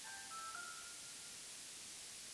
mkoa huo mpya utakuwa na ukubwa wa kilomita za mraba